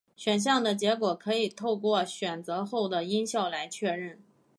选项的结果可以透过选择后的音效来确认。